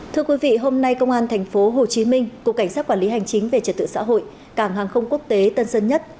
thưa quý vị hôm nay công an tp hcm cục cảnh sát quản lý hành chính về trật tự xã hội cảng hàng không quốc tế tân sơn nhất